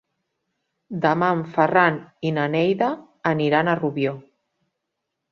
Demà en Ferran i na Neida aniran a Rubió.